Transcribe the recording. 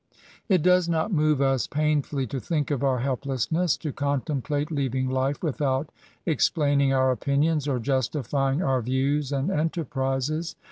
It does not move us painfully to think of our helples8ne8S,* to contemplate leaving life without explaining our opinions, or justifying our views and enterprises.